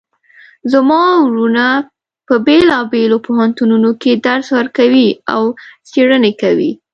زما وروڼه په بیلابیلو پوهنتونونو کې درس ورکوي او څیړنې کوی